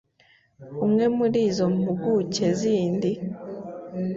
Umwe muri izo mpuguke zindi